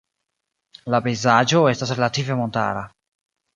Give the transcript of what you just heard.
La pejzaĝo estas relative montara.